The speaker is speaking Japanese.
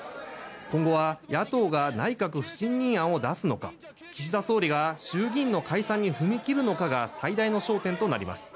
今後は野党が内閣不信任案を出すのか岸田総理が衆議院の解散に踏み切るのかが最大の争点となります。